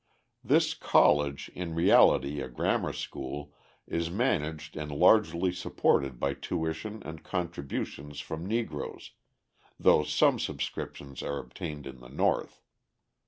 This "college," in reality a grammar school, is managed and largely supported by tuition and contributions from Negroes, though some subscriptions are obtained in the North.